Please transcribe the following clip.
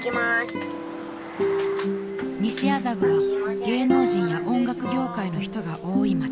［西麻布は芸能人や音楽業界の人が多い街］